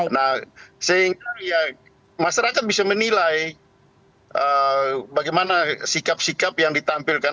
nah sehingga ya masyarakat bisa menilai bagaimana sikap sikap yang ditampilkan